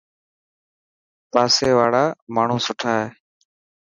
پاسي واڙا ماڻهو سٺا هي.